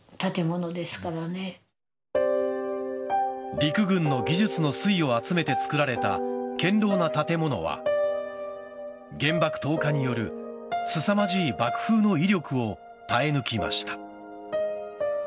陸軍の技術の粋を集めて作られた堅牢な建物は原爆投下によるすさまじい爆風の威力を耐え抜きました。